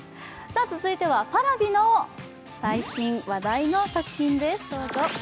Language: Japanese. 続いては、Ｐａｒａｖｉの最新話題の作品です、どうぞ。